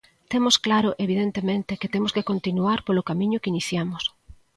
Temos claro, evidentemente, que temos que continuar polo camiño que iniciamos.